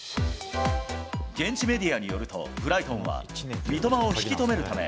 現地メディアによると、ブライトンは三笘を引き止めるため、